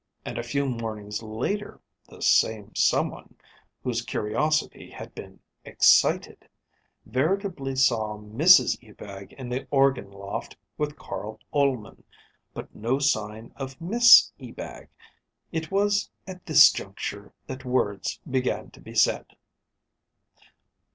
And a few mornings later the same someone, whose curiosity had been excited, veritably saw Mrs Ebag in the organ loft with Carl Ullman, but no sign of Miss Ebag. It was at this juncture that words began to be said.